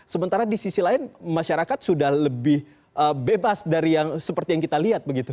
sementara di sisi lain masyarakat sudah lebih bebas dari yang seperti yang kita lihat begitu